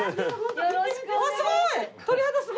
よろしくお願いします。